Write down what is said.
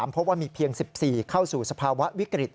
เพราะว่ามีเพียง๑๔เข้าสู่สภาวะวิกฤต